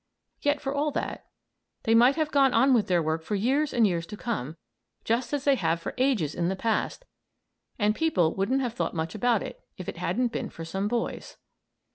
Yet for all that, they might have gone on with their work for years and years to come just as they have for ages in the past and people wouldn't have thought much about it, if it hadn't been for some boys.